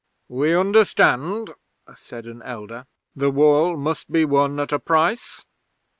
'"We understand," said an elder. "The Wall must be won at a price?"